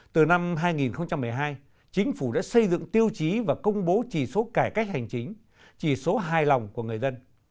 từ năm hai nghìn một mươi hai chính phủ đã xây dựng tiêu chí và công bố chỉ số cải cách hành chính chỉ số hài lòng của người dân